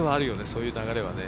そういう流れはね。